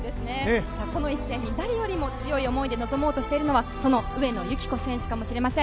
この一戦に誰よりも強い思いで臨もうとしているのはその上野由岐子投手かもしれません。